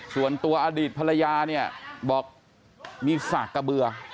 ส่วนตัวอดีตภรรยาเนี่ยบอกมีสากกระเบือ